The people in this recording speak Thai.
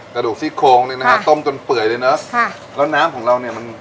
กระดูกซี่โครงนี่นะฮะต้มจนเปื่อยเลยเนอะค่ะแล้วน้ำของเราเนี่ยมัน